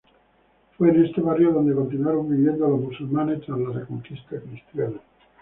Fue en este barrio donde continuaron viviendo los musulmanes tras la reconquista Cristiana.